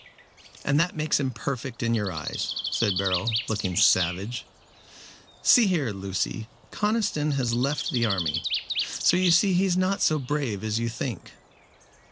"And that makes him perfect in your eyes," said Beryl, looking savage. "See here, Lucy, Conniston has left the army so you see he is not so brave as you think."